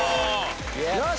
よし！